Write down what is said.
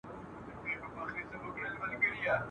پوښتنه به کوی د زمولېدلو ګلغوټیو ..